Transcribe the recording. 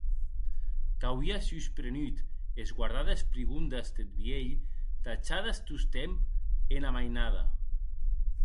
Qu’auie susprenut es guardades prigondes deth vielh tachades tostemp ena mainada.